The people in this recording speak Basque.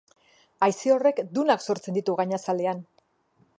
Haize horrek dunak sortzen ditu gainazalean.